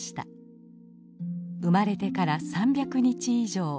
生まれてから３００日以上。